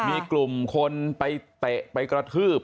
มีกลุ่มคนไปเตะไปกระทืบ